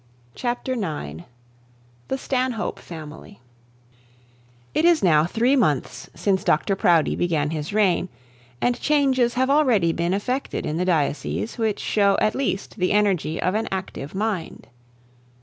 CHAPTER IX THE STANHOPE FAMILY It is now three months since Dr Proudie began his reign, and changes had already been affected in the diocese which show at least the energy of an active mind.